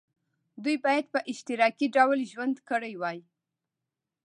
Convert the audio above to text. دوی باید په اشتراکي ډول ژوند کړی وای.